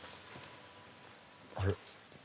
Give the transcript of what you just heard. あれ？